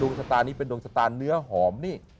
ดวงสตาร์นี้เป็นดวงสตาร์เนื้อหอมนี่